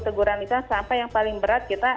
teguran itu sampai yang paling berat kita